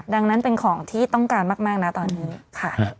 ดังนั้นเป็นของที่ต้องการมากนะตอนนี้ค่ะ